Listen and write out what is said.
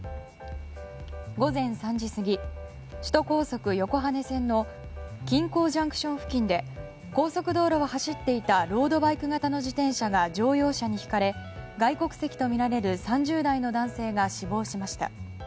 午前３時過ぎ、首都高速横羽線の金港ＪＣＴ付近で高速道路を走っていたロードバイク型の自転車が乗用車にひかれ外国籍とみられる３０代の男性が死亡しました。